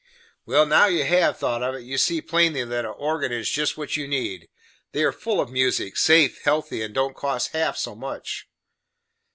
"Well, now you have thought of it, you see plainly that a organ is jest what you need. They are full of music, safe, healthy and don't cost half so much."